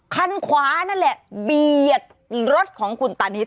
คันขวานั่นแหละเบียดรถของคุณตานิด